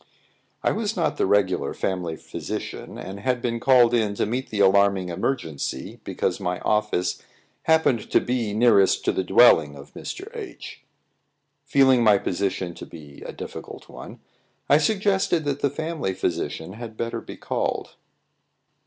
I was not the regular family physician, and had been called in to meet the alarming emergency, because my office happened to be nearest to the dwelling of Mr. H . Feeling my position to be a difficult one, I suggested that the family physician had better be called.